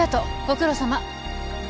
ご苦労さま。